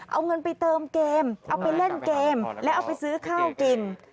เอาเงินไปเติมเกมเอาไปเล่นเกมแล้วเอาไปซื้อข้าวกิน